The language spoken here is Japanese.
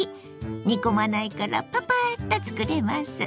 煮込まないからパパッと作れます。